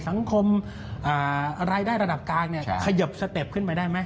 รายได้ระดับกลางเนี่ยเขยิบสเต็ปขึ้นไปได้ไหม